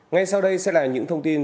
ngay sau đây sẽ là những thông tin